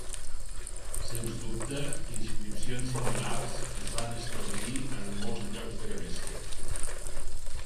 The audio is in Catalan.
Sens dubte, inscripcions similars es van establir en molts llocs de Grècia.